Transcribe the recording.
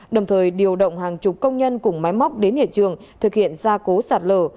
đồng thời điều động hàng chục công nhân cùng máy móc đến hiện trường thực hiện gia cố sạt lở